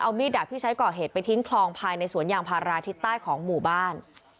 มีดดาบที่ใช้ก่อเหตุไปทิ้งคลองภายในสวนยางพาราทิศใต้ของหมู่บ้าน